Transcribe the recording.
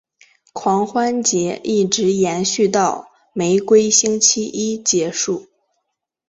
狂欢节一直延续到玫瑰星期一结束。